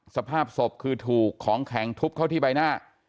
สภาพศพคือถูกของแข็งทุบเข้าที่ใบหน้า